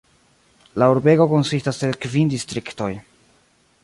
La urbego konsistas el kvin distriktoj.